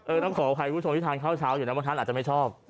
ต้องขออภัยคุณผู้ชมที่ทานข้าวเช้าอยู่นะบางท่านอาจจะไม่ชอบ